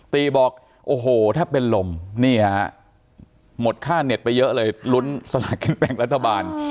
ตีบอกโอ้โหแทบเป็นลมนี่ฮะหมดค่าเน็ตไปเยอะเลยลุ้นสลากินแบ่งรัฐบาล